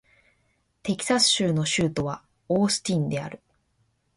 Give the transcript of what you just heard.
テキサス州の州都はオースティンである